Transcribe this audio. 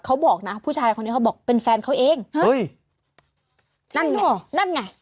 เขาบอกนะผู้ชายคนนี้เขาบอกเป็นแฟนเขาเองเฮ้ยนั่นไงนั่นไง